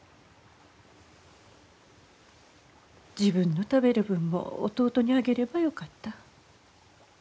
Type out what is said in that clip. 自分の食べる分も弟にあげればよかった。